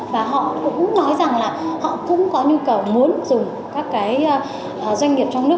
và họ cũng nói rằng là họ cũng có nhu cầu muốn dùng các cái doanh nghiệp trong nước